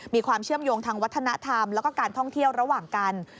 มีความเชื่อมโยงทางวัฒนธรรมแล้วก็การท่องเที่ยวระหว่างกัน